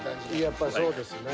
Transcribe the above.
やっぱりそうですね。